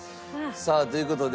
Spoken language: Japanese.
さあという事で。